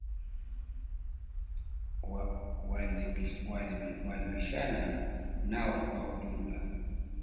Walipishana nao kwa ujumla